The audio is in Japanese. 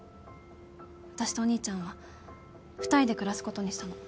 私とお兄ちゃんは２人で暮らすことにしたの。